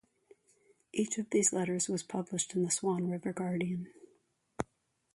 Each of these letters was published in the Swan River Guardian.